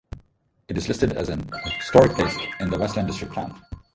It is listed as an historic place in the Westland District Plan.